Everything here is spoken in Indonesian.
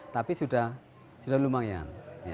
tapi sudah lumayan